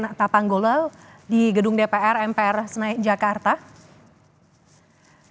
rapat paripurna juga akan membahas tentang revisi undang undang kementerian